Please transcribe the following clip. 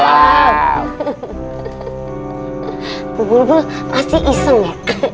bubul bul pasti iseng ya